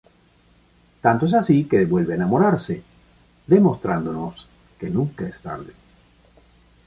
Tanto es así que vuelve a enamorarse...demostrándonos que nunca es tarde.